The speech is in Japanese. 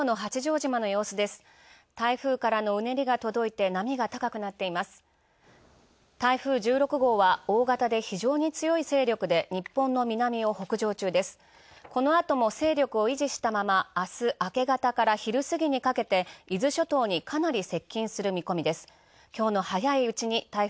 このあとも勢力を維持したまま、明日明け方から昼過ぎにかけて伊豆諸島にかなり接近する見込みです。